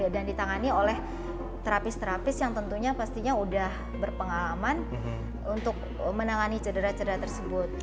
dan ditangani oleh terapis terapis yang tentunya sudah berpengalaman untuk menangani cedera tersebut